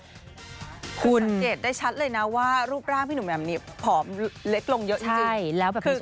คุณเกดได้ชัดเลยนะว่ารูปร่างพี่หนุ่มแหม่มนี้ผอมเล็กลงเยอะจริง